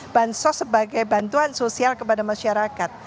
bansos sebagai bantuan sosial kepada masyarakat